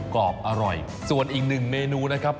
กรอบอร่อยส่วนอีกหนึ่งเมนูนะครับ